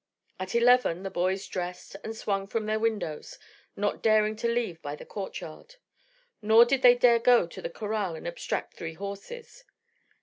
At eleven the boys dressed and swung from their windows, not daring to leave by the courtyard. Nor did they dare go to the corral and abstract three horses.